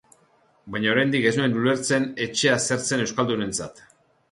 Baina oraindik ez nuen ulertzen etxea zer zen euskaldunentzat.